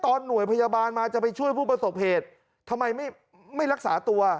หน่วยพยาบาลมาจะไปช่วยผู้ประสบเหตุทำไมไม่ไม่รักษาตัว